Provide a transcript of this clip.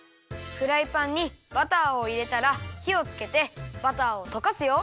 フライパンにバターをいれたらひをつけてバターをとかすよ。